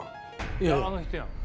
いやあの人やん。